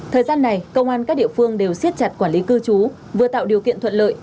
thời gian này công an các địa phương đều xiết chặt quản lý cư trú vừa tạo điều kiện thuận lợi